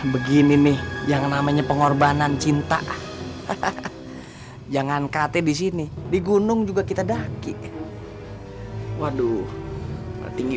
begini nih yang namanya pengorbanan cinta hahaha jangan kate di sini di gunung juga kita daki waduh tinggi